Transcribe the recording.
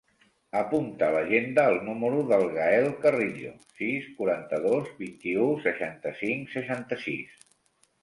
Apunta a l'agenda el número del Gael Carrillo: sis, quaranta-dos, vint-i-u, seixanta-cinc, seixanta-sis.